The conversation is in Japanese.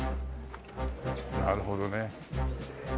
なるほどね。